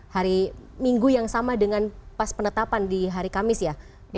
hari minggu yang sama dengan pas penetapan di hari kamis ya